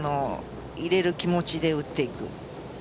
入れる気持ちで打っていく。